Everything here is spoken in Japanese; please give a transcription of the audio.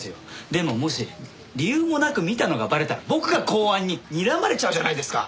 でももし理由もなく見たのがバレたら僕が公安ににらまれちゃうじゃないですか！